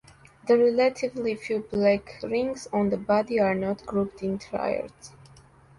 The relatively few black rings on the body are not grouped in triads.